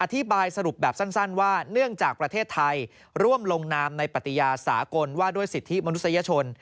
อธิบายสรุปแบบสั้นว่าเนื่องจากประเทศไทยร่วมลงนามในปฏิญาสากลว่าด้วยสิทธิมนุษยชน